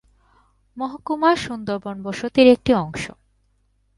মহকুমা সুন্দরবন বসতির একটি অংশ।